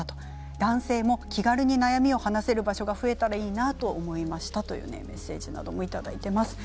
男性も気軽に悩みを話せる場所が増えたらいいなと思いましたというメッセージもいただいています。